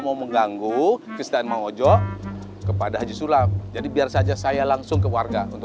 mau mengganggu kristen mangojo kepada haji sulap jadi biar saja saya langsung ke warga untuk